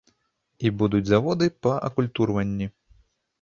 І будаваць заводы па акультурванні.